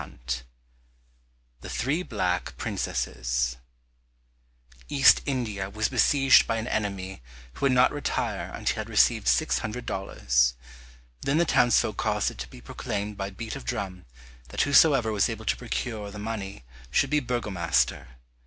137 The Three Black Princesses East India was besieged by an enemy who would not retire until he had received six hundred dollars. Then the townsfolk caused it to be proclaimed by beat of drum that whosoever was able to procure the money should be burgomaster.